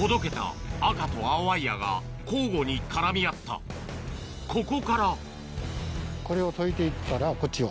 ほどけた赤と青ワイヤが交互に絡み合ったここからこれを解いていくからこっちは。